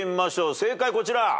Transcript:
正解こちら。